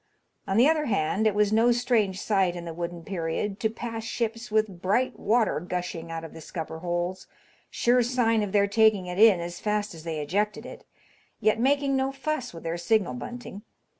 On the other hand, it was no strange sight in the wooden period to pass ships with bright water gushing out of the scupper holes, sure sign of their taking it in as fast as they ejected it, yet making no fuss with their signal bunting.